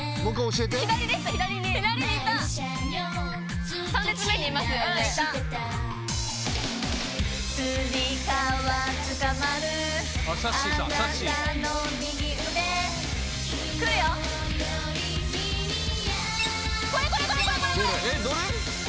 ・えっどれ？